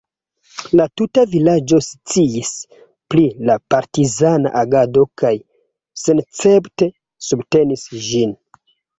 La tuta vilaĝo sciis pri la partizana agado kaj senescepte subtenis ĝin.